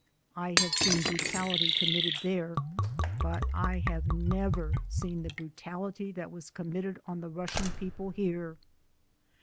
I have seen brutality committed there, but I have never seen the brutality that was committed on the Russian people here.